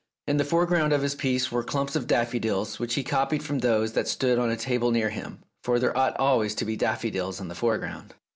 In the foreground of his piece were clumps of daffodils, which he copied from those that stood on a table near him, for there ought always to be daffodils in the foreground.